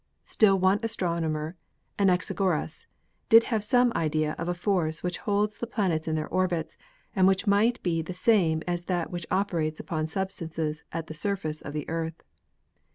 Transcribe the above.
Still one astronomer, Anaxagoras, did have some idea of a force which holds the planets in their orbits and which might be the same as that which operates upon substances at the surface of the Earth.